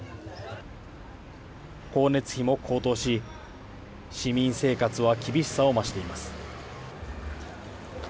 光熱費も高騰し、市民生活は厳しさを増しています。